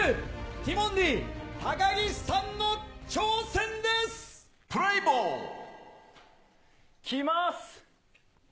ティモンディ・高岸さんの挑戦です。いきます。